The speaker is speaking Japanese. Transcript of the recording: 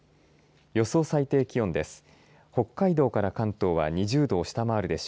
予想最低気温です。